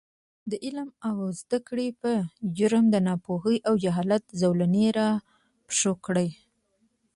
د عـلم او زده کـړې پـه جـرم د نـاپـوهـۍ او جـهالـت زولـنې راپښـو کـړي .